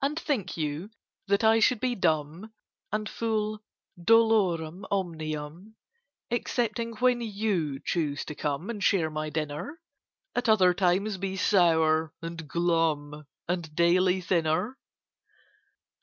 And think you that I should be dumb, And full dolorum omnium, Excepting when you choose to come And share my dinner? At other times be sour and glum And daily thinner?